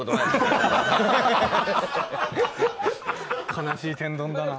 悲しい天丼だな。